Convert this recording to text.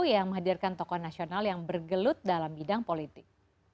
yang menghadirkan tokoh nasional yang bergelut dalam bidang politik